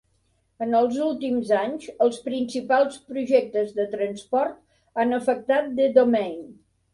En els últims anys, els principals projectes de transport han afectat The Domain.